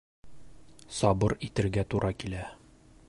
Сабыр итергә тура килә.